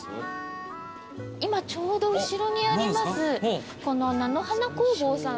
今ちょうど後ろにあります。